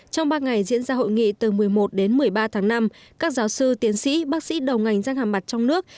trong ba ngày diễn ra hội nghị từ một mươi một đến một mươi ba tháng năm các giáo sư tiến sĩ bác sĩ đầu ngành răng hàm mặt trong nước